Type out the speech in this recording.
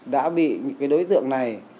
đã bị những cái đối tượng này